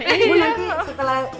ibu nanti setelah